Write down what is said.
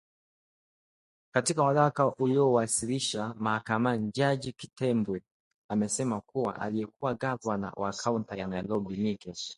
Katika waraka aliouwasilisha mahakamani jaji Chitembwe amesema kuwa aliyekuwa gavana wa kaunta ya Nairobi Mike